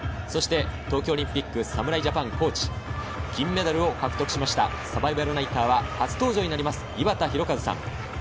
東京オリンピック侍ジャパンコーチ、金メダルを獲得した、サバイバルナイターは初登場の井端弘和さん。